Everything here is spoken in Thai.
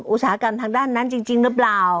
อุตสาหกรรมทางด้านนั้นจริงหรือเปล่า